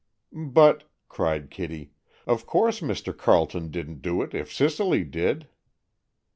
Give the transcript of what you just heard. "But," cried Kitty, "of course Mr. Carleton didn't do it if Cicely did."